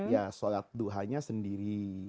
ya sholat duhanya sendiri